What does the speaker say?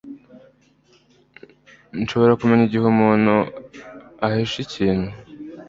Nshobora kumenya igihe umuntu ahishe ikintu.